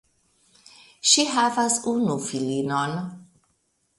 Ŝi havas unu filinon.